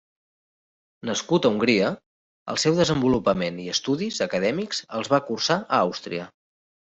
Nascut a Hongria, el seu desenvolupament i estudis acadèmics els va cursar a Àustria.